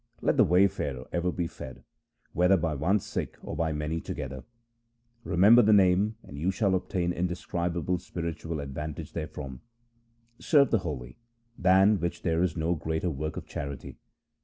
Let the wayfarer ever be fed, whether by one Sikh or by many together. Re member the Name, and you shall obtain indescribable spiritual advantage therefrom. Serve the holy, than which there is no greater work of charity.